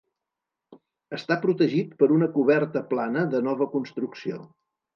Està protegit per una coberta plana de nova construcció.